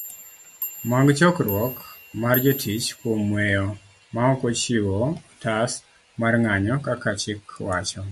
mag chokruok mar jotich kuom weyo maokochiwo otas marng'anyo kaka chik wacho